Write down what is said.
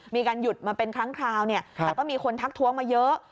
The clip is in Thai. มีการหยุดมาเป็นครั้งคราวเนี่ยแต่ก็มีคนทักท้วงมาเยอะ